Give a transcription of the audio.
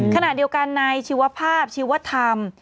ขณะเดียวกันนายชีวภาพชีวธรรม